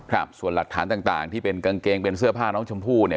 ครับส่วนหลักฐานต่างต่างที่เป็นกางเกงเป็นเสื้อผ้าน้องชมพู่เนี่ย